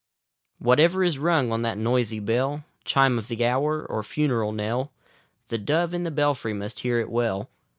Whatever is rung on that noisy bell — Chime of the hour or funeral knell — The dove in the belfry must hear it well.